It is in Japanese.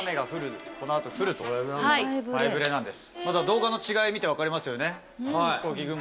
動画の違い見て分かりますよね？